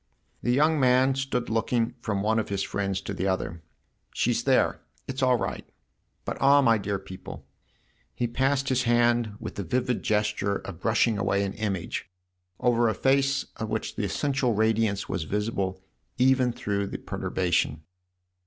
The young man stood looking from one of his friends to the other. " She's there it's all right. But ah, my dear people !" And he passed his hand, with the vivid gesture of brushing away an image, over a face of which the essential radiance was visible even through perturbation.